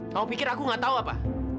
kamu pikir aku gak tahu apa